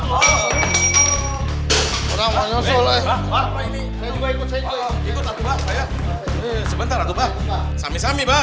saya juga ikut saya juga